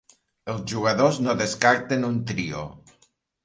Els jugadors no descarten un trio.